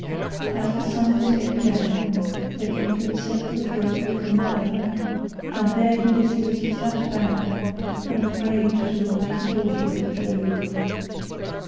As the sun was going down they came to the sacred grove of Minerva, and there Ulysses sat down and prayed to the mighty daughter of Jove.